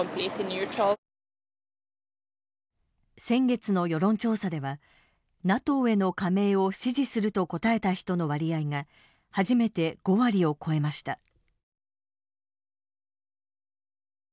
先月の世論調査ではＮＡＴＯへの加盟を支持すると答えた人の割合が初めて５割を超えました。